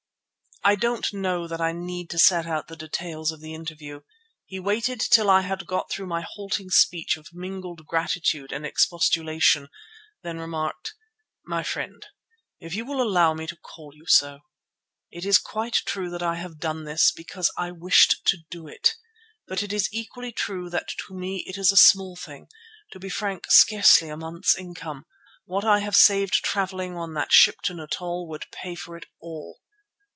I don't know that I need set out the details of the interview. He waited till I had got through my halting speech of mingled gratitude and expostulation, then remarked: "My friend, if you will allow me to call you so, it is quite true that I have done this because I wished to do it. But it is equally true that to me it is a small thing—to be frank, scarcely a month's income; what I have saved travelling on that ship to Natal would pay for it all.